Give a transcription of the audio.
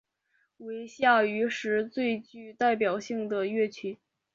为夏禹时最具代表性的乐舞。